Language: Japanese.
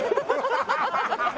ハハハハ！